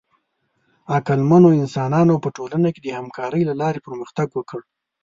عقلمنو انسانانو په ټولنه کې د همکارۍ له لارې پرمختګ وکړ.